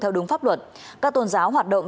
theo đúng pháp luật các tôn giáo hoạt động